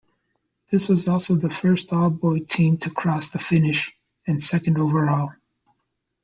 This was also the first all-boy team to cross the finish, and second overall.